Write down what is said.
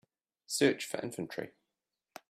Search for Infantry